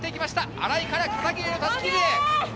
新井から片桐へ、襷リレー。